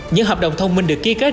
những hợp đồng thông minh được kia kết